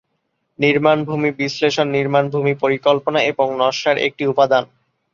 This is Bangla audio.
নির্মাণ-ভূমি বিশ্লেষণনির্মাণ-ভূমি পরিকল্পনা এবং নকশার একটি উপাদান।